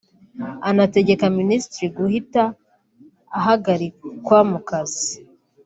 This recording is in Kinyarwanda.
anategeka minisitiri guhita ahagarikwa mu kazi